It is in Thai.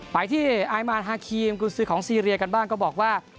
ไปที่ไอมานฮาครีมกุญสือของซีเรียกันบ้างก็บอกว่า